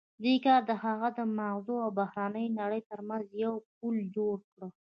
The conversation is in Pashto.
دې کار د هغه د ماغزو او بهرنۍ نړۍ ترمنځ یو پُل جوړ کړ